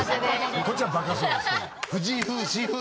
こっちはバカそうですけど。